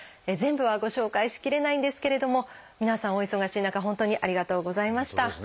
全部はご紹介しきれないんですけれども皆さんお忙しい中本当にありがとうございました。